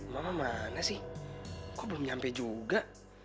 mama mana sih kok belum nyampe juga